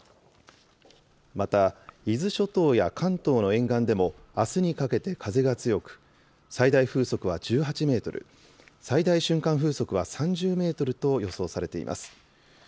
また、伊豆諸島や関東の沿岸でも、あすにかけて風が強く、最大風速は１８メートル、最大瞬間風速は３０メートルと予想されています。